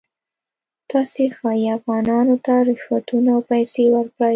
تاسې ښایي افغانانو ته رشوتونه او پیسې ورکړئ.